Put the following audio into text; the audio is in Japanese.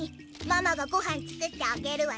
ママがごはん作ってあげるわね。